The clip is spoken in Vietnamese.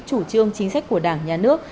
chủ trương chính sách của đảng nhà nước